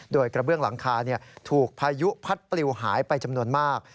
โดยกระเบื้องหลังคาถูกพายุพัดปลิวหายไปจำนวนมาก